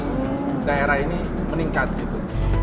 di daerah ini meningkat gitu